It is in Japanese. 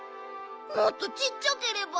もっとちっちゃければ。